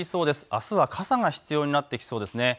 あすは傘が必要になってきそうです。